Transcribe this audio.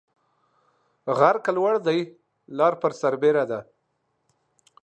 غر که لوړ دى ، لار پر سر بيره ده.